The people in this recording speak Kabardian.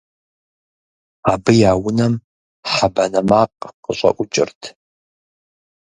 Абы я унэм хьэ банэ макъ къыщӀэӀукӀырт.